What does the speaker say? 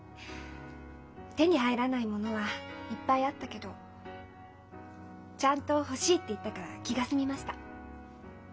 手に入らないものはいっぱいあったけどちゃんと「欲しい」って言ったから気が済みました。